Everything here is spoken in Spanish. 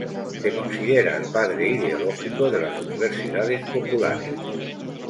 Se considera el padre ideológico de las Universidades Populares.